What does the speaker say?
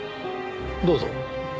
どうぞ。